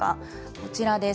こちらです。